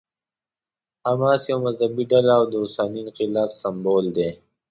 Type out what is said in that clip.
حماس یوه مذهبي ډله او د اوسني انقلاب سمبول دی.